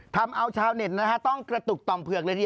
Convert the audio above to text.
ทำเอาชาวเน็ตนะฮะต้องกระตุกต่อมเผือกเลยทีเดียว